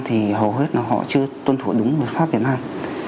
thì hầu hết là họ chưa tuân thủ đúng luật pháp việt nam